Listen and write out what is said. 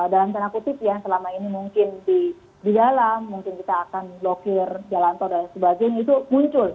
dalam tanda kutip ya selama ini mungkin di dalam mungkin kita akan blokir jalan tol dan sebagainya itu muncul